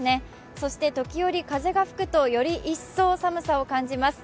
そして、時折風が吹くと、より一層寒さを感じます。